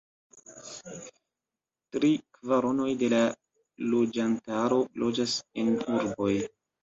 Tri kvaronoj de la loĝantaro loĝas en urboj.